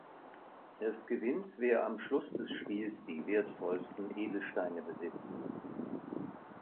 Es gewinnt, wer am Schluss des Spiels die wertvollsten Edelsteine besitzt.